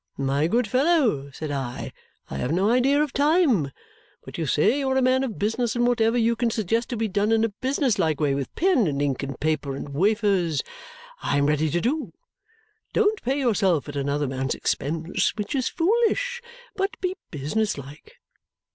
'My good fellow,' said I, 'I have no idea of time; but you say you are a man of business, and whatever you can suggest to be done in a business like way with pen, and ink, and paper and wafers I am ready to do. Don't pay yourself at another man's expense (which is foolish), but be business like!'